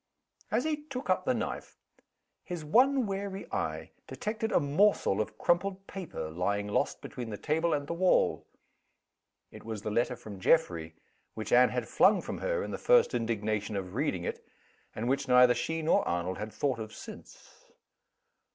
As he took up the knife, his one wary eye detected a morsel of crumpled paper, lying lost between the table and the wall. It was the letter from Geoffrey, which Anne had flung from her, in the first indignation of reading it and which neither she nor Arnold had thought of since.